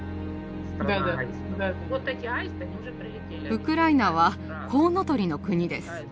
ウクライナはコウノトリの国です。